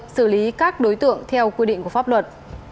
xử lý các đối tượng theo quy định của pháp luật